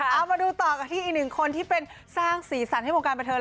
เอามาดูต่อกันที่อีกหนึ่งคนที่เป็นสร้างสีสันให้วงการบเทิ